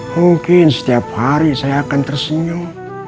mungkin setiap hari saya akan tersenyum